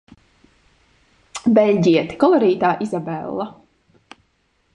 Beļģiete, kolorītā Izabella.